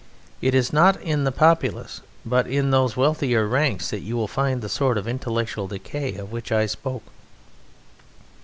It is not in the populace, but in those wealthier ranks that you will find the sort of intellectual decay of which I spoke."